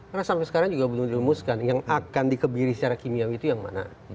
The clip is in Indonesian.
karena sampai sekarang juga belum dilemuskan yang akan dikebiri secara kimia itu yang mana